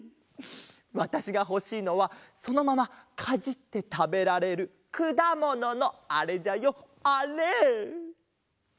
わたしがほしいのはそのままかじってたべられるくだもののあれじゃよあれ！